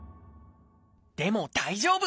でも大丈夫！